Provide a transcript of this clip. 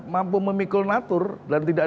mampu memikul natur dan tidak